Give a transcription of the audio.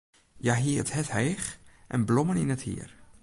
Hja hie it hert heech en blommen yn it hier.